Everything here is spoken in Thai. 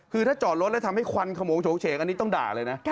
คือถ้าจอดรถควันขโมนโชคเชกอันนี้ต้องด่าเลยนะ